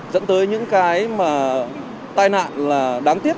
dẫn tới những cái mà tai nạn là đáng tiếc